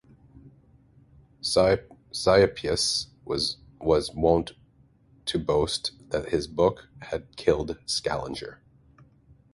Scioppius was wont to boast that his book had killed Scaliger.